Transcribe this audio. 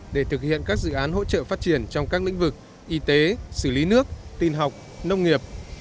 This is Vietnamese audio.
để thực hiện các dự án hỗ trợ phát triển trong các lĩnh vực y tế xử lý nước tin học nông nghiệp